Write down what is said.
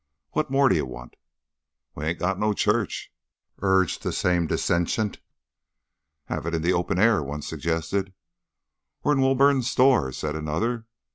What more d'ye want?" "We hain't got no church!" urged the same dissentient. "Have it in the open air," one suggested. "Or in Woburn's store," said another.